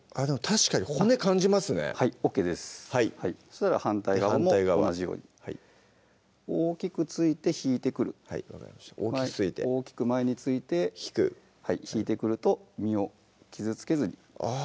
確かに骨感じますねはいＯＫですそしたら反対側も同じように大きく突いて引いてくるはい分かりました大きく突いて大きく前に突いて引く引いてくると身を傷つけずにあぁ